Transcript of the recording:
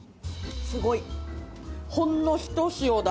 すごい。